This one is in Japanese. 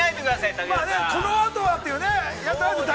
◆このあとはというね。